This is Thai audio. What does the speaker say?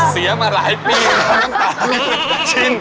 เสียมาหลายปีน้ำตาล